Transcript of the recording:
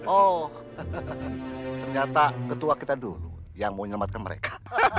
oh ternyata ketua kita dulu yang mau menyelamatkan mereka